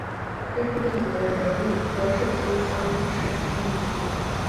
天顺六年壬午科顺天乡试第一名。